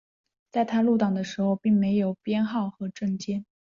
在他入党的时候并没有什么编号和证件。